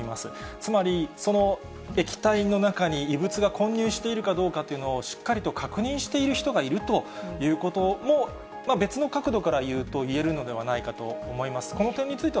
つまり、その液体の中に異物が混入しているかどうかっていうのを、しっかりと確認している人がいるということも、別の角度からいうといえるのではないかと思います。